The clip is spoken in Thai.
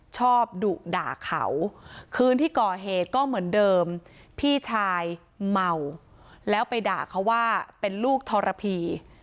ดุด่าเขาคืนที่ก่อเหตุก็เหมือนเดิมพี่ชายเมาแล้วไปด่าเขาว่าเป็นลูกทรพี